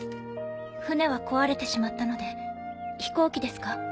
船は壊れてしまったので飛行機ですか？